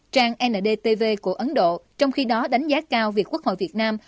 trang ndtv của ấn độ trong khi đó đánh giá cao việc quốc hội việt nam